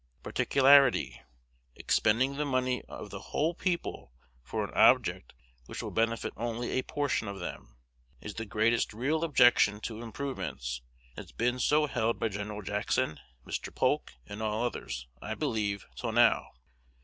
Particularity expending the money of the whole people for an object which will benefit only a portion of them is the greatest real objection to improvements, and has been so held by Gen. Jackson, Mr. Polk, and all others, I believe, till now.